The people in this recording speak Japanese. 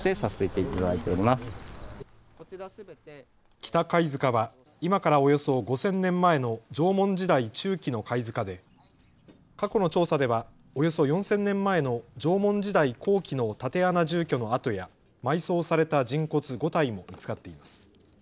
北貝塚は今からおよそ５０００年前の縄文時代中期の貝塚で過去の調査ではおよそ４０００年前の縄文時代後期の竪穴住居の跡や埋葬された人骨５体も見つかっています。